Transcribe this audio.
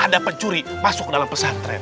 ada pencuri masuk dalam pesantren